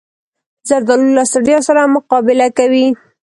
زردالو له ستړیا سره مقابله کوي.